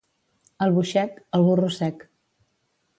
Albuixec, el burro sec.